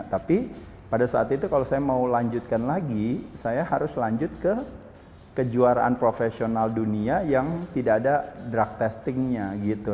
tapi pada saat itu kalau saya mau lanjutkan lagi saya harus lanjut ke kejuaraan profesional dunia yang tidak ada drug testingnya gitu